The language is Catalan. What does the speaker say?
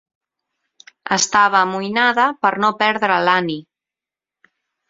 Estava amoïnada per no perdre l'Annie.